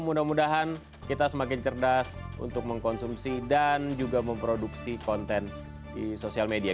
mudah mudahan kita semakin cerdas untuk mengkonsumsi dan juga memproduksi konten di sosial media